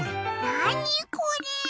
なにこれ？